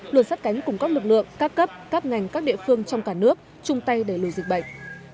luôn sát cánh cùng các lực lượng các cấp các ngành các địa phương trong cả nước chung tay đẩy lùi dịch bệnh